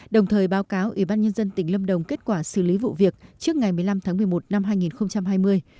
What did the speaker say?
đồng thời báo cáo ủy ban nhân dân tỉnh lâm đồng kết quả xử lý vụ việc trước ngày một mươi năm tháng một mươi một năm hai nghìn hai mươi